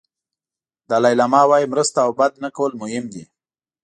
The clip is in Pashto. دالای لاما وایي مرسته او بد نه کول مهم دي.